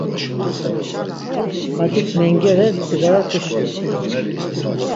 Badik mengere dzigarati şumt̆u.